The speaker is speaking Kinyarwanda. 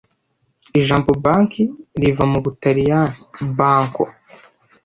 Ijambo banki riva mubutaliyani banco